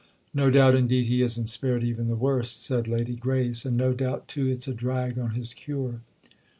No doubt indeed he isn't spared even the worst," said Lady Grace—"and no doubt too it's a drag on his cure."